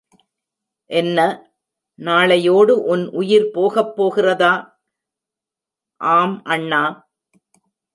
என்ன, நாளையோடு உன் உயிர் போகப்போகிறதா? ஆம், அண்ணா!